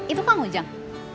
itu pak mojang